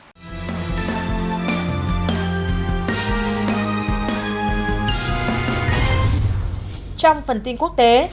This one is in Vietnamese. trong phần tin quốc tế